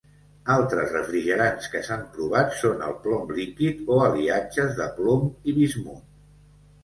Altres refrigerants que s'han provat són el plom líquid o aliatges de plom i bismut.